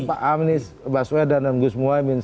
pak amnis baswedan dan gus muaymin